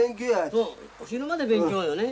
そう死ぬまで勉強よね。